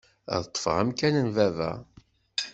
Ad ṭṭfeɣ amkan n baba.